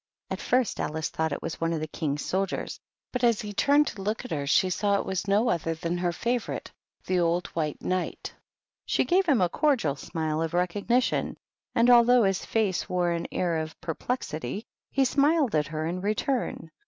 At first Alice thought it was one of the King's sol diers, but as he turned to look at her, she saw it was no other than her favorite, the old White Knight. She gave him a cordial smile of recog nition, and, although his face wore an air of per plexity, he smiled at her in return.